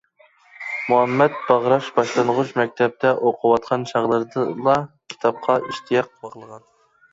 مۇھەممەت باغراش باشلانغۇچ مەكتەپتە ئوقۇۋاتقان چاغلىرىدىلا كىتابقا ئىشتىياق باغلىغان.